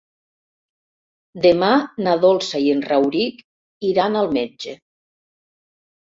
Demà na Dolça i en Rauric iran al metge.